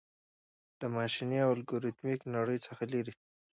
د ماشیني او الګوریتمیکي نړۍ څخه لیري